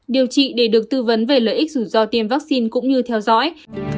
điều trị để được tư vấn về lợi ích rủi ro tiêm vaccine cũng như theo dõi